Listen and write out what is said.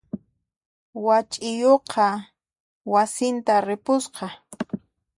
Wach'iyuqqa wasinta ripusqa.